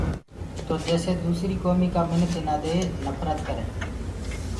تو جيسي دوسريٚ ڪوميٚ ڪآ مِنک ايٚنآ دي نڦرت ڪَرينٚ۔